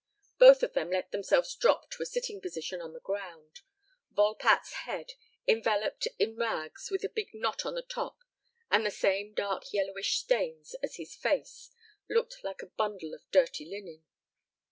Both of them let themselves drop to a sitting position on the ground. Volpatte's head enveloped in rags with a big knot on the top and the same dark yellowish stains as his face looks like a bundle of dirty linen.